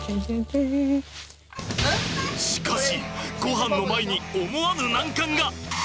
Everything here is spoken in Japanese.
しかしごはんの前に思わぬ難関が！